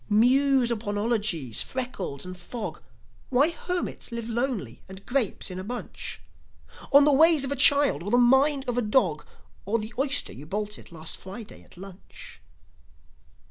Muse upon ologies, freckles and fog, Why hermits live lonely and grapes in a bunch, On the ways of a child or the mind of a dog, Or the oyster you bolted last Friday at lunch.